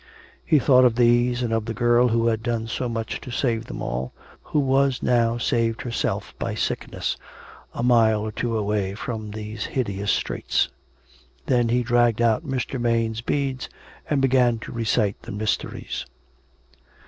He thought of these, and of the girl who had done so much to save them all, who was now saved herself by sickness, a mile or two away, from these hideous straits. Then he dragged out Mr. Maine's beads and began to recite the " Mysteries."